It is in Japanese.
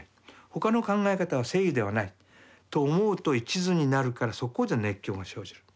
他の考え方は正義ではないと思うと一途になるからそこで熱狂が生じる。